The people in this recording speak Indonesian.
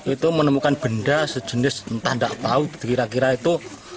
itu menemukan benda sejenis entah tidak tahu kira kira itu